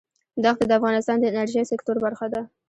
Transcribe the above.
دښتې د افغانستان د انرژۍ سکتور برخه ده.